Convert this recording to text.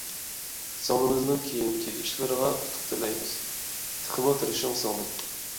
سىڭلىمىزنىڭ كېيىنكى ئىشلىرىغا ئۇتۇق تىلەيمىز، تېخىمۇ تىرىشىڭ سىڭلىم!